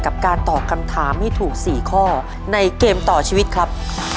กับการตอบคำถามให้ถูก๔ข้อในเกมต่อชีวิตครับ